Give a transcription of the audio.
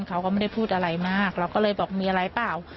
เขาก็ไม่ได้พูดอะไรมากเราก็เลยบอกมีอะไรเปล่า